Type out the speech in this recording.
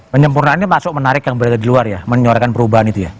penyempurnaan ini masuk menarik yang berada di luar ya menyuarakan perubahan itu ya